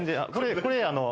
これ。